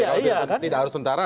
kalau tidak harus tentara